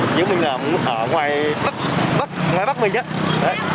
giống như mình đang ở ngoài bắc mình chứ